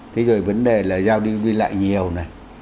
thế rồi vấn đề là giao đi lại nhiều này